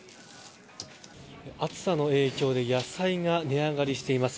暑さの影響で野菜が値上がりしています。